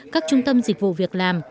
các trung tâm dịch vụ việc làm